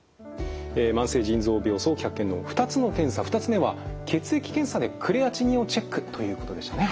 慢性腎臓病早期発見の２つの検査２つ目は血液検査でクレアチニンをチェックということでしたね。